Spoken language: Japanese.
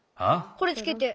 これつけて。